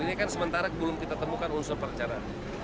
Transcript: ini kan sementara belum kita temukan unsur percara